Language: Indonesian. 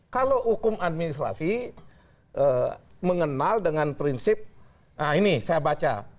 kalau hukum administrasi mengenal dengan prinsip nah ini saya baca